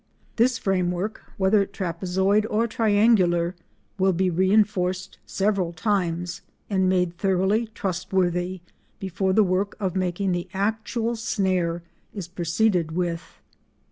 This frame work, whether trapezoid or triangular, will be reinforced several times and made thoroughly trustworthy before the work of making the actual snare is proceeded with.